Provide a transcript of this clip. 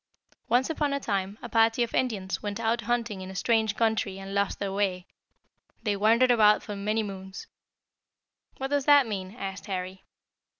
"Once upon a time a party of Indians went out hunting in a strange country and lost their way. They wandered about for many moons." "What does that mean?" asked Harry.